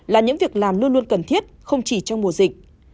là những việc làm luôn luôn cần thiết không chỉ trong mùa dịch